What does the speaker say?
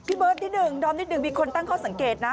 พี่เบิ้ลที่หนึ่งดอมที่หนึ่งมีคนตั้งข้อสังเกตนะ